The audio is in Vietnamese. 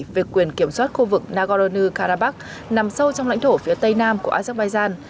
về quyền kiểm soát khu vực nagorno karabakh nằm sâu trong lãnh thổ phía tây nam của azerbaijan